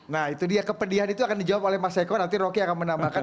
nah itu dia kepedihan itu akan dijawab oleh mas eko nanti rocky akan menambahkan